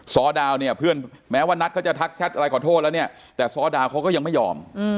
ซอดาวเนี่ยเพื่อนแม้ว่านัทเขาจะทักแชทอะไรขอโทษแล้วเนี่ยแต่ซ้อดาวเขาก็ยังไม่ยอม